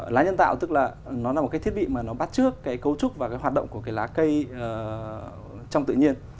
lá nhân tạo tức là nó là một cái thiết bị mà nó bắt trước cái cấu trúc và cái hoạt động của cái lá cây trong tự nhiên